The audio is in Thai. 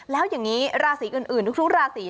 แล้วอย่างนี้ราศีอื่นทุกราศี